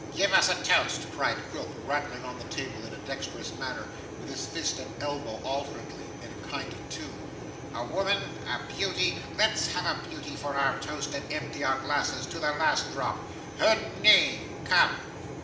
'Give us a toast!' cried Quilp, rattling on the table in a dexterous manner with his fist and elbow alternately, in a kind of tune, 'a woman, a beauty. Let's have a beauty for our toast and empty our glasses to the last drop. Her name, come!